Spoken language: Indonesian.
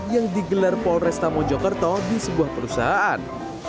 yang digelar polresta mojokerto di sebuah perusahaan